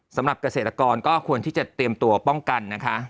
สำหรับเกษตรกรก็ควรที่จะเตรียมตัวป้องกันนะคะ